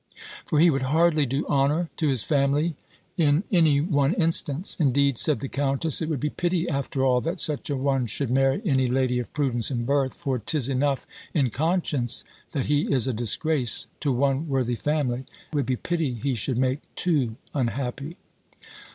For he would hardly do honour to his family in any one instance." "Indeed," said the countess, "it would be pity, after all, that such an one should marry any lady of prudence and birth; for 'tis enough in conscience, that he is a disgrace to one worthy family; it would be pity he should make two unhappy."